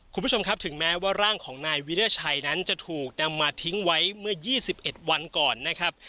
คุณผู้ชมครับถึงแม้ว่าร่างของนายวิราชัยนั้นจะถูกนำมาทิ้งไว้เมื่อ๒๑วันก่อนนะครับ